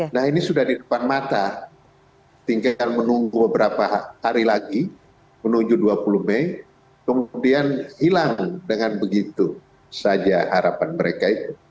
nah ini sudah di depan mata tinggal menunggu beberapa hari lagi menuju dua puluh mei kemudian hilang dengan begitu saja harapan mereka itu